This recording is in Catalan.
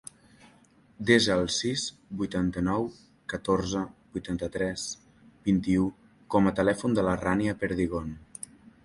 Desa el sis, vuitanta-nou, catorze, vuitanta-tres, vint-i-u com a telèfon de la Rània Perdigon.